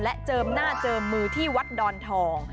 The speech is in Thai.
เจิมหน้าเจิมมือที่วัดดอนทอง